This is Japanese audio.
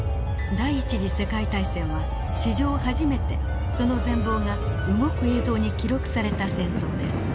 第一次世界大戦は史上初めてその全貌が動く映像に記録された戦争です。